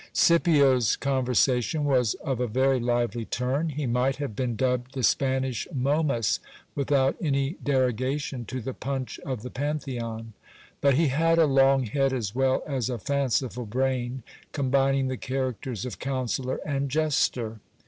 Scipio's conversation was of a very lively turn ; he might have been dubbed the Spanish Momus, without any derogation to the Punch of the Pantheon. But he had a long head, as well as a fanciful brain, combining the characters of counsellor and jester.